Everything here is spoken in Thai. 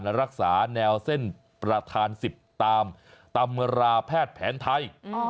และรักษาแนวเส้นประธาน๑๐ตามตำราแพทย์แผนไทย